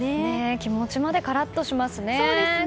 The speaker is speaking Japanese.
気持ちまでカラッとしますね。